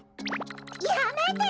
やめてよ！